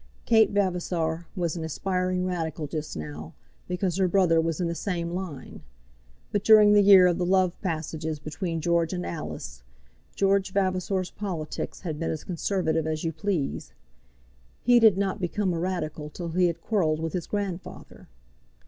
Kate Vavasor was an aspiring Radical just now, because her brother was in the same line; but during the year of the love passages between George and Alice, George Vavasor's politics had been as conservative as you please. He did not become a Radical till he had quarrelled with his grandfather.